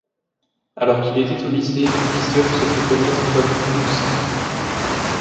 Alors qu'il était au lycée, Kiseop se fait connaître comme ulzzang.